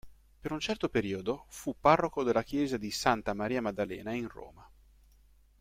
Per un certo periodo fu parroco della chiesa di Santa Maria Maddalena in Roma.